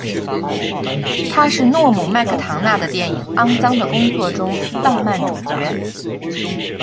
她是诺姆•麦克唐纳的电影《肮脏的工作》中的浪漫主角。